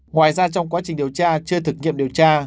ngoài ra trong quá trình điều tra chưa thực nghiệm điều tra